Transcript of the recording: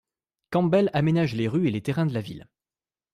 Campbell aménage les rues et les terrains de la ville.